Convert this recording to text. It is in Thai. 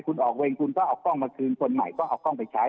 คุณออกเวรคุณก็เอากล้องมาคืนคนใหม่ก็เอากล้องไปใช้